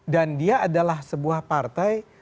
dan dia adalah sebuah partai